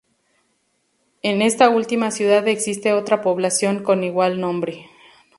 En esta última ciudad existe otra población con igual nombre.